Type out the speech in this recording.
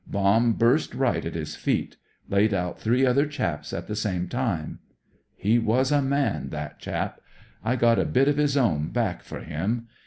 Bomb burst right at his feet; laid out three other chaps at the same time. He was a man, that chap. I got a bit of his own back for him.